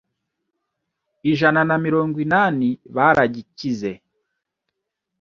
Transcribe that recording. ijana namirongo inani baragikize